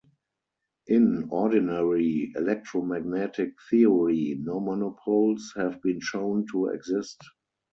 In ordinary electromagnetic theory, no monopoles have been shown to exist.